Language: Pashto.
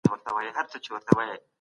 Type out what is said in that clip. په سوسياليسم کي افراط شتون لري.